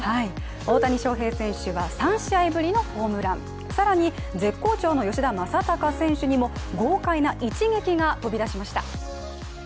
大谷翔平選手は３試合ぶりのホームラン、更に絶好調の吉田正尚選手にも豪快な一撃が飛び出しました。